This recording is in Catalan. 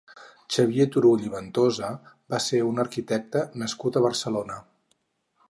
Xavier Turull i Ventosa va ser un arquitecte nascut a Barcelona.